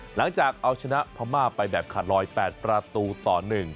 หลังจากเอาชนะพม่าไปแบบขาดรอยแปดประตูต่อหนึ่ง